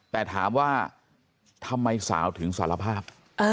แต่ถามว่าทำไมสาวถึงสารภาพ